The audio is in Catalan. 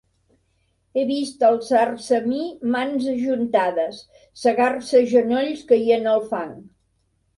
He vist alçar-se a mi mans ajuntades, segar-se genolls caient al fang.